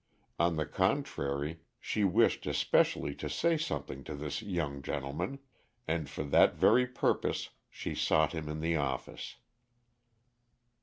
On the contrary she wished especially to say something to this young gentleman, and for that very purpose she sought him in the office.